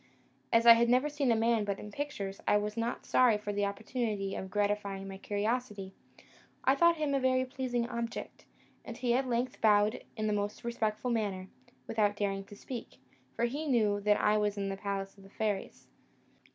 As I had never seen a man but in pictures, I was not sorry for the opportunity of gratifying my curiosity. I thought him a very pleasing object, and he at length bowed in the most respectful manner, without daring to speak, for he knew that I was in the palace of the fairies.